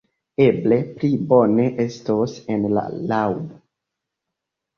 Eble pli bone estos en la laŭbo?